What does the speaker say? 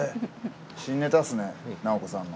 新ネタっすね直子さんの。